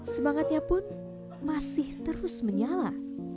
semangatnya pun masih terus menyala